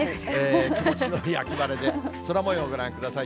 気持ちのいい秋晴れで、空もようご覧ください。